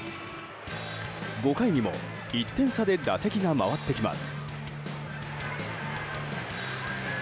５回にも１点差で打席が回ってきます。